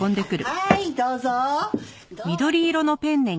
はいどうぞ！